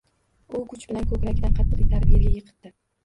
U kuch bilan koʻkragidan qattiq itarib yerga yiqitdi.